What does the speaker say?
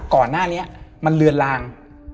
ก่อนหน้านี้มันเลือนลาง